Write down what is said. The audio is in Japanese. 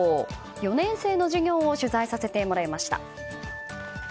４年生の授業を取材させてもらいました。